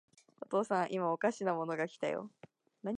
お父さん、いまおかしなものが来たよ。